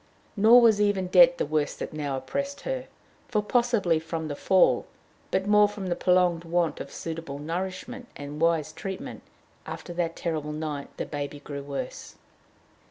Nor was even debt the worst that now oppressed her. For, possibly from the fall, but more from the prolonged want of suitable nourishment and wise treatment, after that terrible night, the baby grew worse.